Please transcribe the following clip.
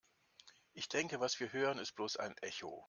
Ich denke, was wir hören, ist bloß ein Echo.